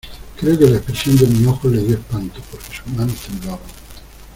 creo que la expresión de mis ojos le dió espanto, porque sus manos temblaban.